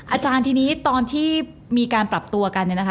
อาจารย์ทีนี้ตอนที่มีการปรับตัวกันเนี่ยนะคะ